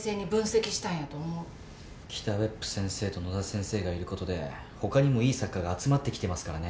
北別府先生と野田先生がいることで他にもいい作家が集まってきてますからね。